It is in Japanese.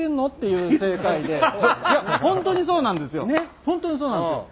いや本当にそうなんですよ。